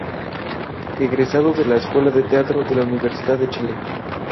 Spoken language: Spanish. Egresado de la Escuela de Teatro de la Universidad de Chile.